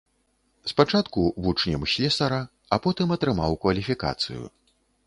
Спачатку вучнем слесара, а потым атрымаў кваліфікацыю.